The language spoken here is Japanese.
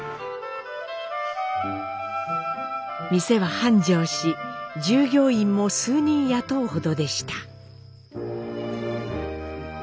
店は繁盛し従業員も数人雇うほどでした。